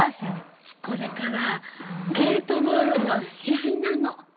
これからゲートボールの試合なの。